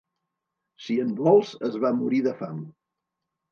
Si en vols es va morir de fam.